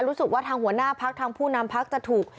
รู้สึกว่าทางหัวหน้าพักทางผู้นำพักจะถูก